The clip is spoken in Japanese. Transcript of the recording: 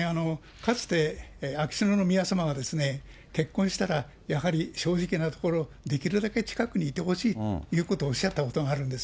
かつて秋篠宮さまは、結婚したらやはり正直なところ、できるだけお近くにいてほしいとおっしゃったことがあるんです。